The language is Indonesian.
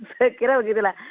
saya kira begitu lah